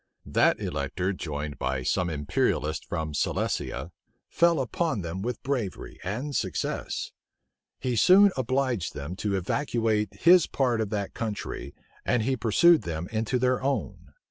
That elector joined by some imperialists from Silesia, fell upon them with bravery and success. He soon obliged them to evacuate his part of that country, and he pursued them into their own.